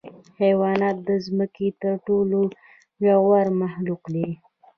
حیوانات د ځمکې تر ټولو زوړ مخلوق دی.